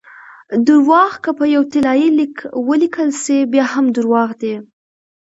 درواغ که په یو طلايي لیک ولیکل سي؛ بیا هم درواغ دي!